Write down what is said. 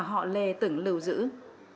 là người đã dành nhiều thời gian